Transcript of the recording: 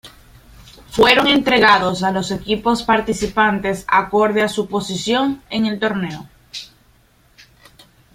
Fueron entregados a los equipos participantes acorde a su posición en el torneo.